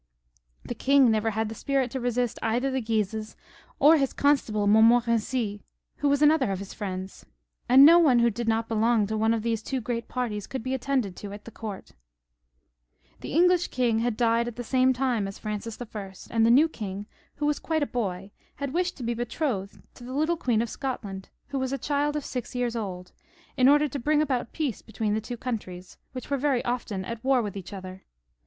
The king never had the spirit to resist either the Guises or his Qonstable Montmorency, who was another of his great friends ; and no one who did not belong to one of these two great parties could be attended to. at the court The English king had died at the same time as Francis I., and the new king, who was quite a boy, had wished to be betrothed to the little Queen of Scotland, who was a child of six years old, in order to bring about peace between the two countries, which were very often at war together.